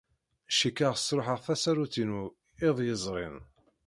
Cikkeɣ sṛuḥeɣ tasarut-inu iḍ yezrin.